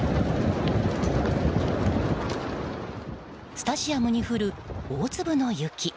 スタジアムに降る大粒の雪。